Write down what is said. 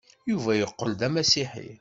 Yuba yeqqel d amasiḥi.